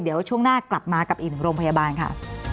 เดี๋ยวช่วงหน้ากลับมากับอีกหนึ่งโรงพยาบาลค่ะ